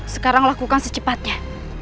sekarang lakukan secepatnya